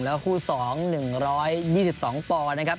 แล้วคู่สอง๑๒๒ปอนนะครับ